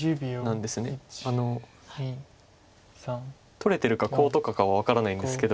取れてるかコウとかかは分からないんですけど。